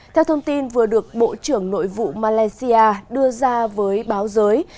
theo thông tin vừa được bộ trưởng nội vụ malaysia đưa ra với báo giới